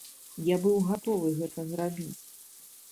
Я быў гатовы гэта зрабіць.